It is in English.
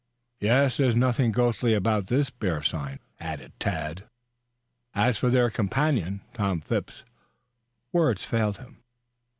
"Yes, there's nothing ghostly about this 'bear sign,'" added Tad. As for their companion, Tom Phipps, words failed him.